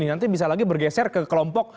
nanti bisa lagi bergeser ke kelompok